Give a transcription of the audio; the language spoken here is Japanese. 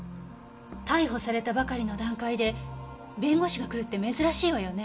逮捕されたばかりの段階で弁護士が来るって珍しいわよね？